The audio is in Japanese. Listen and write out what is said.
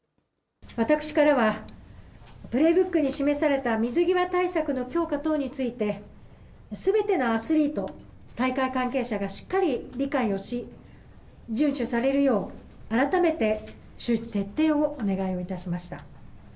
私からは、プレーブックに示された水際対策の強化等について、すべてのアスリート、大会関係者がしっかり理解をし、順守されるよう改めて周知徹底をお願いをいたしました。